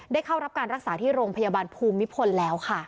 เข้ารับการรักษาที่โรงพยาบาลภูมิพลแล้วค่ะ